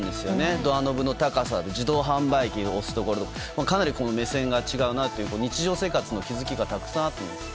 ドアノブの高さ自動販売機を押すところかなり目線が違うなという日常生活の気づきがたくさんありました。